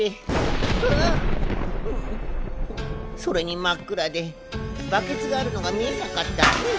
それに真っ暗でバケツがあるのが見えなかった。